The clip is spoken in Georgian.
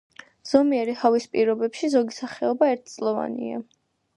ზომიერი ჰავის პირობებში ზოგი სახეობა ერთწლოვანია.